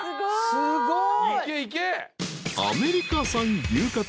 すごい。